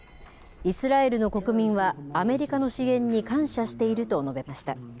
イスラエルの国民は、アメリカの支援に感謝していると述べました。